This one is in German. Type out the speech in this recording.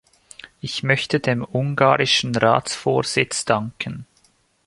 Ich möchte dem ungarischen Ratsvorsitz danken.